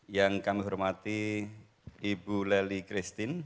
yang kami hormati ibu lelly christine